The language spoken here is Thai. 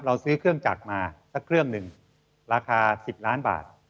ซื้อเครื่องจักรมาสักเครื่องหนึ่งราคา๑๐ล้านบาท